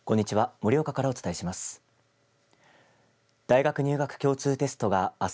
盛岡からお伝えします。